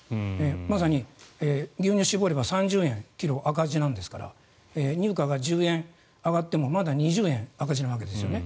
まさに牛乳を搾れば３０円、ｋｇ赤字なんですから乳価が１０円上がってもまだ２０円赤字なわけですね。